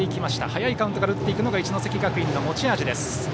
早いカウントから打っていくのが一関学院の持ち味です。